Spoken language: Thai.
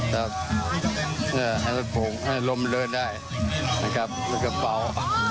ให้ลมมันเดินได้นะครับแล้วก็เปา